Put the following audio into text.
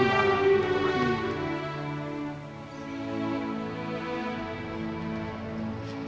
tidak boleh essen